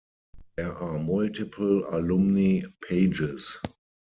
There are multiple alumni pages.